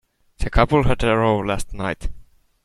The couple had a row last night.